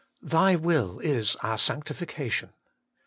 Thy will is our sanctification.